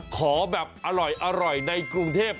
ขอแบบอร่อยในกรุงเทพ